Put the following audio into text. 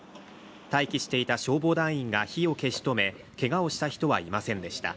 待機していた消防団員が火を消し止めけがをした人はいませんでした。